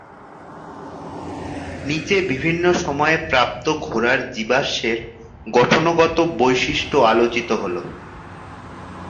নিচে বিভিন্ন সময়ে প্রাপ্ত ঘোড়ার জীবাশ্মের গঠনগত বৈশিষ্ট্য আলোচিত হল।